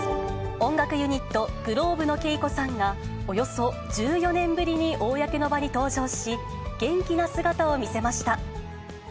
音楽ユニット、ｇｌｏｂｅのＫＥＩＫＯさんが、およそ１４年ぶりに公の場に登場し、元気な姿を見せました。